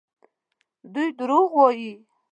دوی دروغ وايي.